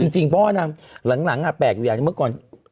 จริงเพราะว่านางหลังแปลกอยู่อย่างหนึ่งเมื่อก่อน